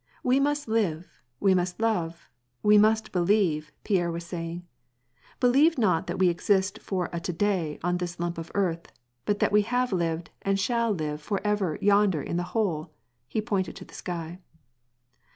We must live, we must love, we must believe," Pierre was saying. " Believe not that we ex ist for a to day on this lump of earth, but that we have lived and shall live for ever yonder in the Whole "— he pointed to the sky.